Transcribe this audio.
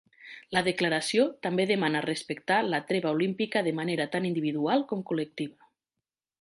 La declaració també demana respectar la treva olímpica de manera tant individual com col·lectiva.